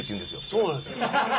そうなんですよ